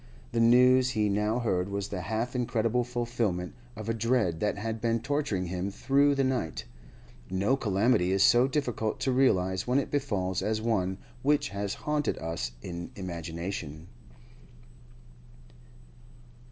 The news he now heard was the half incredible fulfilment of a dread that had been torturing him through the night. No calamity is so difficult to realise when it befalls as one which has haunted us in imagination.